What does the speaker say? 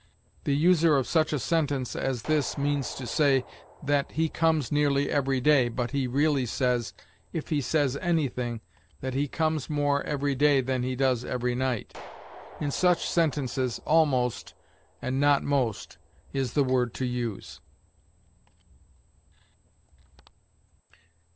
The user of such a sentence as this means to say that he comes nearly every day, but he really says, if he says anything, that he comes more every day than he does every night. In such sentences almost, and not most, is the word to use.